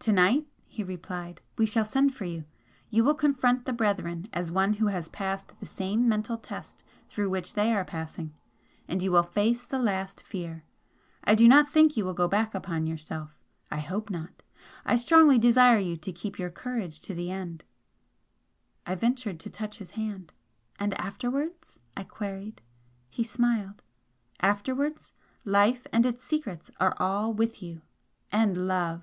"To night," he replied "we shall send for you! You will confront the Brethren, as one who has passed the same mental test through which they are passing! And you will face the last fear! I do not think you will go back upon yourself I hope not I strongly desire you to keep your courage to the end!" I ventured to touch his hand. "And afterwards?" I queried. He smiled. "Afterwards Life and its secrets are all with you and Love!"